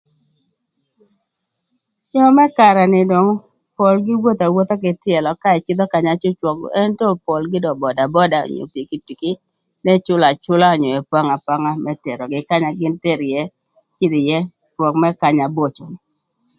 Jö më karë ni dong polgï wotho awotha kï tyëlö ka ëcïdhö kanya cwöcwök ëntö polgï dong bödaböda, onyo pikipiki n'ëcülö acüla onyo epango apanga më terogï kanya gïn teri ïë, cïdh ïë rwök mërë kanya aboco